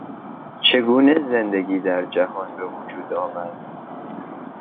چگونه زندگی در جهان به وجود آمد؟